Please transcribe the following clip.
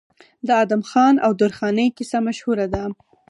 د ادم خان او درخانۍ کیسه مشهوره ده.